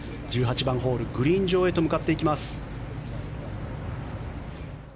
１８番ホールグリーン上へと向かっていきます。